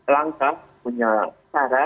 langkah punya cara